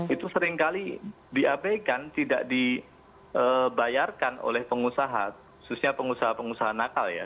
itu seringkali diabaikan tidak dibayarkan oleh pengusaha khususnya pengusaha pengusaha nakal ya